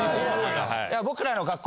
僕らの学校